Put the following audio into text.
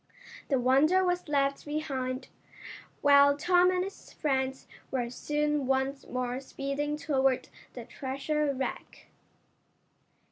The Wonder was left behind, while Tom and his friends were soon once more speeding toward the treasure wreck.